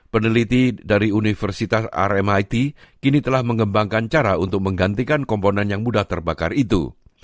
peneliti dari universitas rmit kini telah mengembangkan cara untuk menggantikan komponen yang mudah terbakar itu